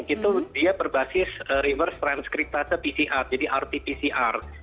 itu dia berbasis reverse transcriptase pcr jadi rt pcr